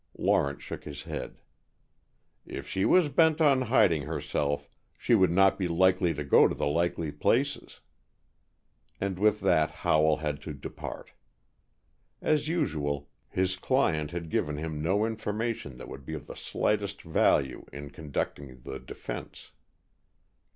Lawrence shook his head. "If she was bent on hiding herself, she would not be likely to go to the likely places." And with that Howell had to depart. As usual, his client had given him no information that would be of the slightest value in conducting the defense.